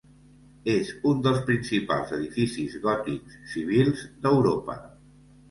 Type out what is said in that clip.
És un dels principals edificis gòtics civils d'Europa.